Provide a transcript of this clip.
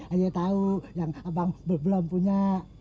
ayah tau yang abang belum punya